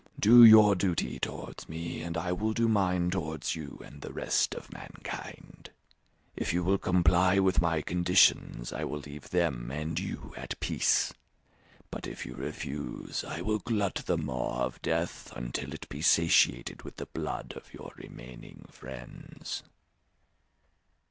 Do your duty towards me, and I will do mine towards you and the rest of mankind. If you will comply with my conditions, I will leave them and you at peace; but if you refuse, I will glut the maw of death, until it be satiated with the blood of your remaining friends."